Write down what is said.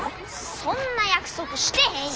そんな約束してへんよ。